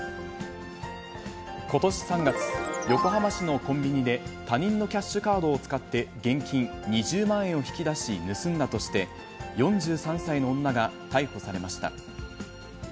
ことし３月、横浜市のコンビニで、他人のキャッシュカードを使って、現金２０万円を引き出し盗んだとして、４３歳の女が逮捕されました。